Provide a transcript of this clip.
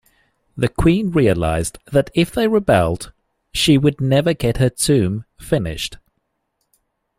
The Queen realized that if they rebelled, she would never get her tomb finished.